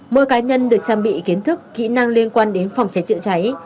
mỗi cá nhân được trang bị kiến thức kỹ năng liên quan đến phòng cháy chữa cháy